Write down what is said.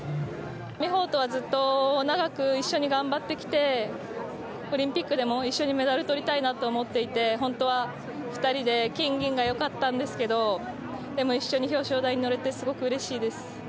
生萌とはずっと一緒にやってきてオリンピックでも一緒にメダルとりたいなと思っていて金銀が良かったんですけどでも一緒に表彰台に乗れてすごくうれしいです。